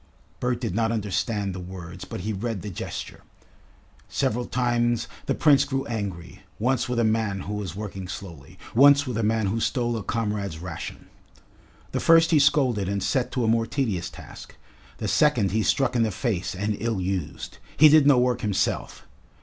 Bert did not understand the words, but he read the gesture. Several times the Prince grew angry; once with a man who was working slowly, once with a man who stole a comrade's ration. The first he scolded and set to a more tedious task; the second he struck in the face and ill used. He did no work himself.